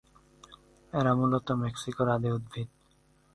এরা মূলত মেক্সিকোর আদি উদ্ভিদ।